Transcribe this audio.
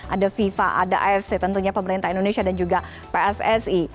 ada fifa ada afc tentunya pemerintah indonesia dan juga pssi